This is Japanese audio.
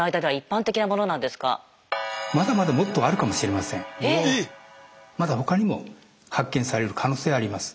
まだ他にも発見される可能性はあります。